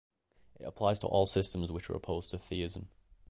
It applies to all systems which are opposed to theism.